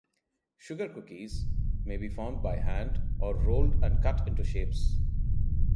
Sugar cookies may be formed by hand or rolled and cut into shapes.